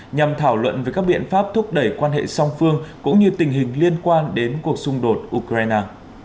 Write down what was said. nhằm thảo luận về các biện pháp thúc đẩy quan hệ song phương cũng như tình hình liên quan đến cuộc xung đột ukraine